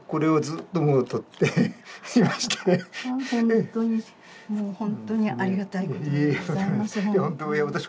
本当にもう本当にありがたいことでございます